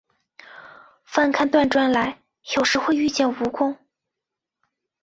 翻开断砖来，有时会遇见蜈蚣